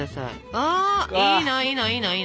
ああいいないいないいな。